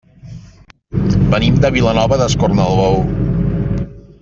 Venim de Vilanova d'Escornalbou.